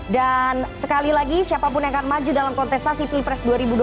dan sekali lagi siapapun yang akan maju dalam kontestasi pilpres dua ribu dua puluh empat